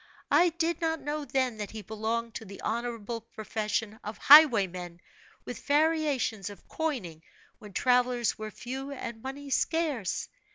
I did not know then that he belonged to the honorable profession of highwaymen, with variations of coining when travelers were few and money scarce.